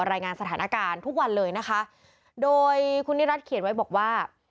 รายงานสถานการณ์ทุกวันเลยนะคะโดยคุณนิรัติเขียนไว้บอกว่า